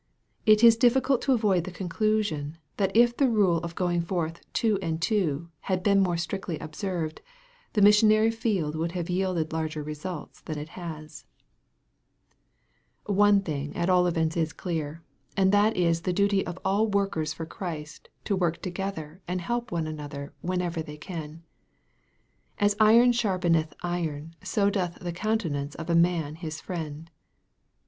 It is difficult to avoid the conclusion, that if the rule of going forth " two and two" had been more strictly obseived, the missionary field would have yielded larger results than it has 114 EXPOSITORY THOUGHTS. One thing at all events is clear, and that is the duty of all workers for Christ to work together and help one another whenever they can. "As iron sharpeneth iron, so doth the countenance of a man his friend."